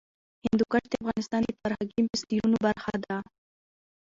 هندوکش د افغانستان د فرهنګي فستیوالونو برخه ده.